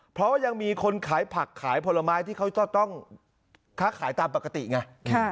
เพราะว่ายังมีคนขายผักขายผลไม้ที่เขาจะต้องค้าขายตามปกติไง